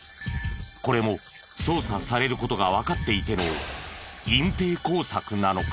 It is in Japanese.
これも捜査される事がわかっていての隠蔽工作なのか？